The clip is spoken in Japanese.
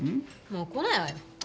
もう来ないわよ。